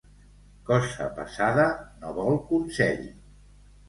Cosa passada no vol consell.